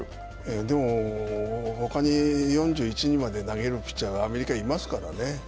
でも、他に４１４２まで投げるピッチャーがアメリカいますからね。